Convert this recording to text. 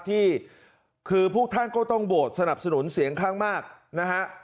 ที่คือพวกท่านก็ต้องโหวตสนับสนุนเสียงข้างมากนะฮะ